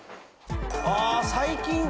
ああ最近。